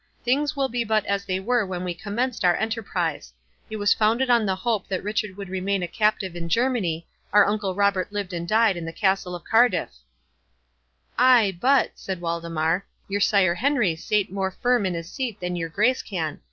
—Things will be but as they were when we commenced our enterprise—It was founded on the hope that Richard would remain a captive in Germany—Our uncle Robert lived and died in the castle of Cardiffe." "Ay, but," said Waldemar, "your sire Henry sate more firm in his seat than your Grace can.